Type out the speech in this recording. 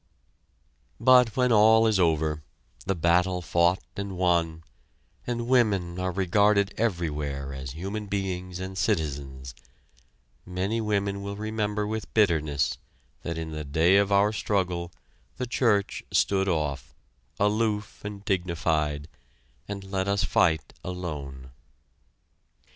But when all is over, the battle fought and won, and women are regarded everywhere as human beings and citizens, many women will remember with bitterness that in the day of our struggle, the church stood off, aloof and dignified, and let us fight alone.